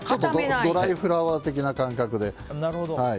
ドライフラワー的な感覚で。